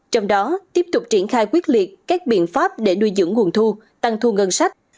trong đó tiếp tục triển khai quyết liệt các biện pháp để nuôi dưỡng nguồn thu tăng thu ngân sách